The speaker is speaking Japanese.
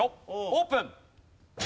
オープン。